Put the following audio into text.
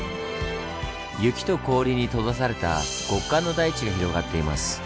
雪と氷に閉ざされた極寒の大地が広がっています。